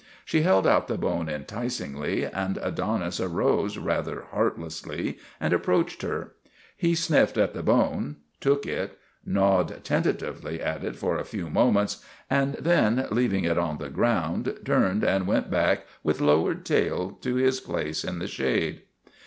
She held out the bone enticingly and Adonis arose rather heartlessly and approached her. He sniffed at the bone, took it, gnawed tentatively at it for a few mo 296 THE RETURN OF THE CHAMPION ments, and then, leaving it on the ground, turned and went back with lowered tail to his place in the shade.